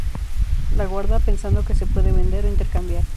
La guarda, pensando que se puede vender o intercambiar.